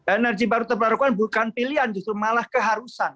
energi baru terbarukan bukan pilihan justru malah keharusan